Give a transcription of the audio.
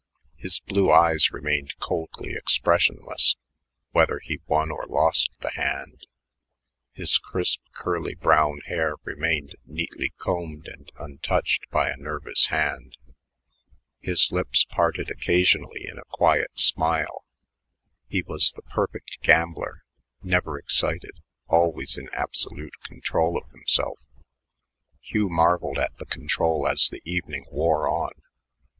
His blue eyes remained coldly expressionless whether he won or lost the hand; his crisp, curly brown hair remained neatly combed and untouched by a nervous hand; his lips parted occasionally in a quiet smile: he was the perfect gambler, never excited, always in absolute control of himself. Hugh marveled at the control as the evening wore on.